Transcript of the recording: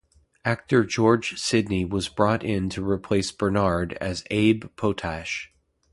Actor George Sidney was brought in to replace Bernard as Abe Potash.